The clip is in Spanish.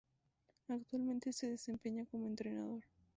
Actualmente se desempeña como entrenador.